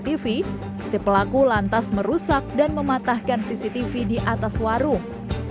setelah terekam cctv si pelaku lantas merusak dan mematahkan cctv di atas warung